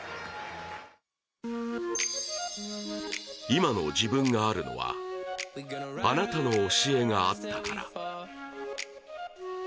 今の自分があるのはあなたの教えがあったから。